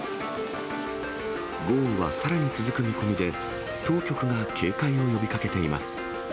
豪雨はさらに続く見込みで、当局が警戒を呼びかけています。